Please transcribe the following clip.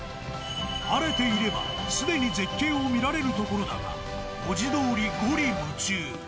晴れていれば、すでに絶景を見られるところだが、文字どおり、五里霧中。